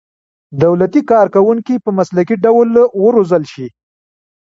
دولتي کارکوونکي په مسلکي ډول وروزل شي.